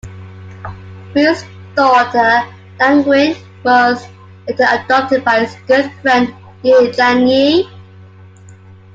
Fu's daughter Dai Qing was later adopted by his good friend Ye Jianying.